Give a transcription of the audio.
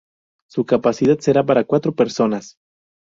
Su capacidad será para cuatro personas.